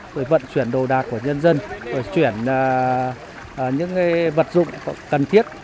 để vận chuyển đồ đạc của nhân dân chuyển những vật dụng cần thiết